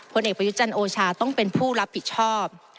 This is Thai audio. ผลเอกประยุจันทร์โอชาต้องเป็นผู้รับผิดชอบ